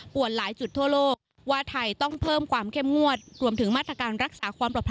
หลายจุดทั่วโลกว่าไทยต้องเพิ่มความเข้มงวดรวมถึงมาตรการรักษาความปลอดภัย